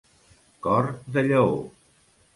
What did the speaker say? Cor de lleó.